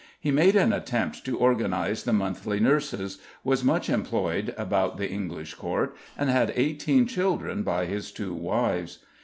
He made an attempt to organise the monthly nurses, was much employed about the English court, and had eighteen children by his two wives.